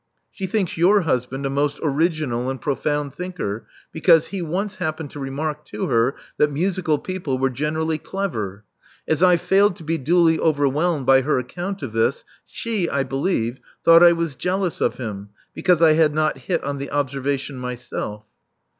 She thinks your husband a most ori'^inal and profound thinker because he once happened to remark to her that musical people were generally clever. As I failed to be duly overwhelmed by her account of this, she, I believe, thought I was jealous of him because I had not hit on the observation myself.'